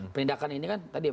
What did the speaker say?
penindakan ini kan tadi